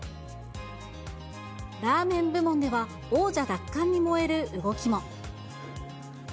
ラーメン部門では、王者奪還に燃える動きも。